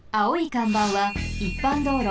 かんばんはいっぱんどうろ。